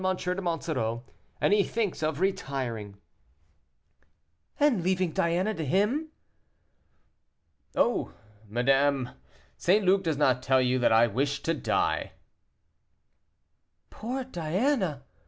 de Monsoreau, and he thinks of retiring." "And leaving Diana to him?" "Oh! madame, St. Luc does not tell you that I wish to die." "Poor Diana!"